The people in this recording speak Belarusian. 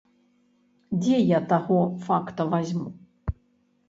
Дзе я таго факта вазьму!